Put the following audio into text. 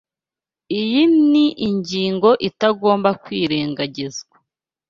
iyi ni ingingo itagomba kwirengagizwa